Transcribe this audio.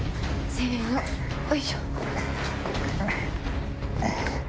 せのよいしょ。